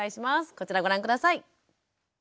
こちらご覧下さい。